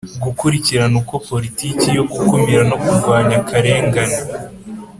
gukurikirana uko politiki yo gukumira no kurwanya akarengane,